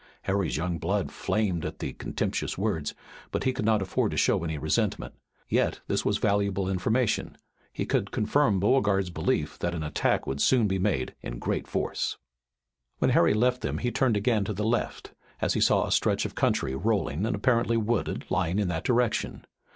Harry's young blood flamed at the contemptuous words, but he could not afford to show any resentment. Yet this was valuable information. He could confirm Beauregard's belief that an attack would soon be made in great force. When Harry left them he turned again to the left, as he saw a stretch of country rolling and apparently wooded lying in that direction.